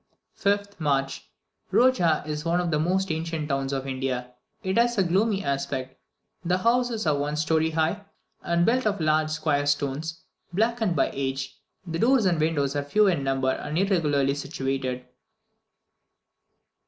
5th March. Roja is one of the most ancient towns of India. It has a gloomy aspect; the houses are one story high, and built of large square stones, blackened by age; the doors and windows are few in number and irregularly situated.